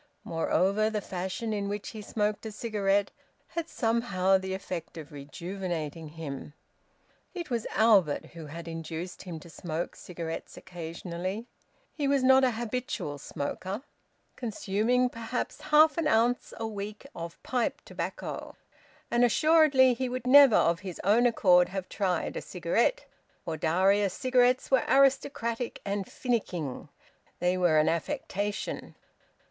Moreover, the fashion in which he smoked a cigarette had somehow the effect of rejuvenating him. It was Albert who had induced him to smoke cigarettes occasionally. He was not an habitual smoker, consuming perhaps half an ounce a week of pipe tobacco: and assuredly he would never of his own accord have tried a cigarette. For Darius cigarettes were aristocratic and finicking; they were an affectation.